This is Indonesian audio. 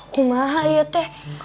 kumaha ya teh